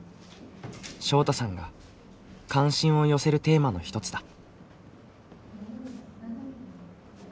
昇汰さんが関心を寄せるテーマの一つだ。